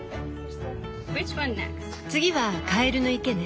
次はカエルの池ね。